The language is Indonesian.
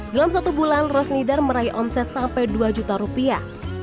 dalam satu bulan rosnidar meraih omset sampai dua juta rupiah